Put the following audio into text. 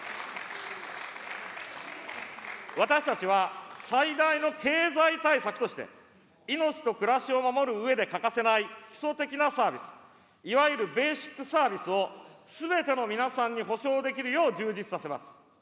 私たちは最大の経済対策として、命と暮らしを守るうえで欠かせない基礎的なサービス、いわゆるベーシック・サービスを、すべての皆さんに保障できるよう充実させます。